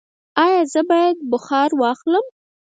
ایا زه باید بخار واخلم؟